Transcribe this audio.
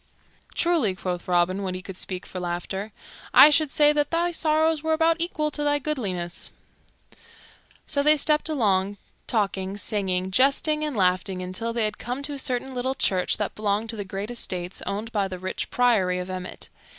"Truly," quoth Robin, when he could speak for laughter, "I should say that thy sorrows were about equal to thy goodliness." So they stepped along, talking, singing, jesting, and laughing, until they had come to a certain little church that belonged to the great estates owned by the rich Priory of Emmet.